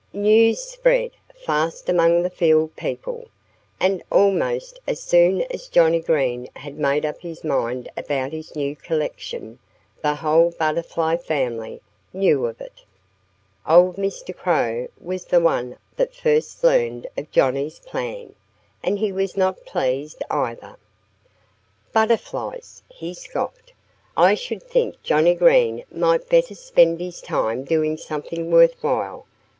News spreads fast among the field people; and almost as soon as Johnnie Green had made up his mind about his new collection, the whole Butterfly family knew of it. Old Mr. Crow was the one that first learned of Johnnie's plan. And he was not pleased, either. "Butterflies!" he scoffed. "I should think Johnnie Green might better spend his time doing something worth while.